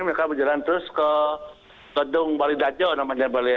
mereka berjalan terus ke gedung bali dajo namanya baliho